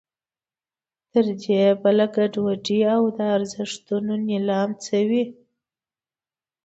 تر دې بله ګډوډي او د ارزښتونو نېلام څه وي.